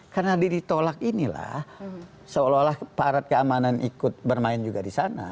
karena ditolak inilah seolah olah aparat keamanan ikut bermain juga di sana